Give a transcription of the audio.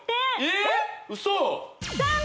えっ！